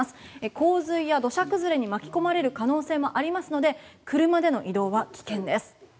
洪水や土砂崩れに巻き込まれる可能性もありますので車での移動は危険です。